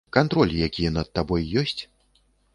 Кантроль які над табой ёсць?